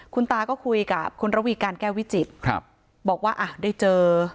คุณตาก็คุยกับคุณระวีการแก้ววิจิตรครับบอกว่าอ่ะได้เจอ